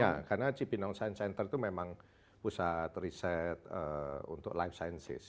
ya karena cipinang science center itu memang pusat riset untuk life sciences